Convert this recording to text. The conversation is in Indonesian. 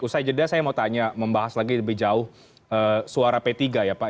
usai jeda saya mau tanya membahas lagi lebih jauh suara p tiga ya pak